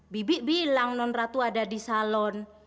bibi bilang non ratu ada di salon